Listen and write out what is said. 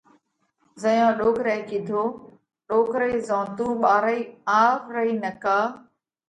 زئيون ڏوڪرئہ ڪيڌو: ڏوڪرئِي زون تُون ٻارئِي آوَ رئِي نڪا